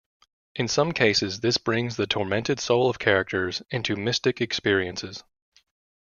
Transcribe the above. In some cases this brings the tormented soul of characters into mystic experiences.